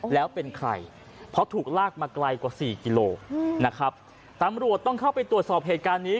แล้วเป็นใครเพราะถูกลากมาไกลกว่าสี่กิโลนะครับตำรวจต้องเข้าไปตรวจสอบเหตุการณ์นี้